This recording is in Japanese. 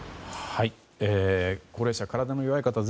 高齢者、体の弱い方